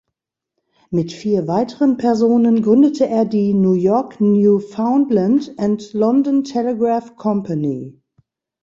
Mit vier weiteren Personen gründete er die "New York, Newfoundland and London Telegraph Company".